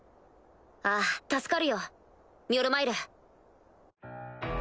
ああ助かるよミョルマイル。